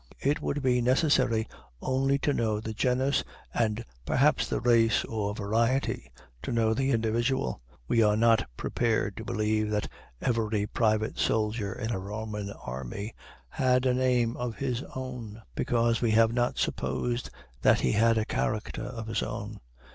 It would be necessary only to know the genus and perhaps the race or variety, to know the individual. We are not prepared to believe that every private soldier in a Roman army had a name of his own, because we have not supposed that he had a character of his own.